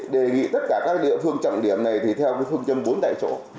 để ghi tất cả các địa phương trọng điểm này thì theo phương châm bốn tại chỗ